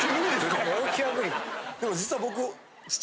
でも実は僕。